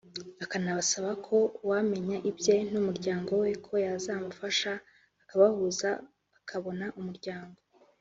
akanasaba ko uwamenya ibye n’umuryango we ko yazamufasha akabahuza akabona umuryango